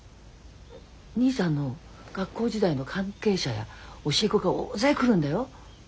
兄さんの学校時代の関係者や教え子が大勢来るんだよ？